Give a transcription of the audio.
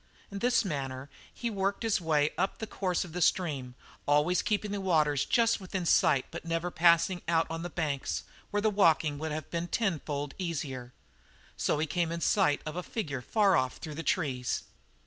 In this manner he worked his way up the course of the stream, always keeping the waters just within sight but never passing out on the banks, where the walking would have been tenfold easier. So he came in sight of a figure far off through the trees.